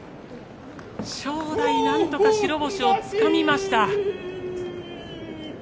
正代、なんとか白星をつかみました。